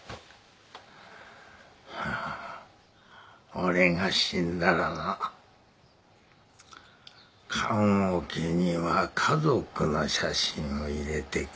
俺が死んだらな棺おけには家族の写真を入れてくれ